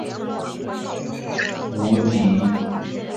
以下为无尽的任务所出现的种族。